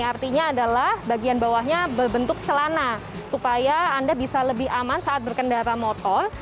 artinya adalah bagian bawahnya berbentuk celana supaya anda bisa lebih aman saat berkendara motor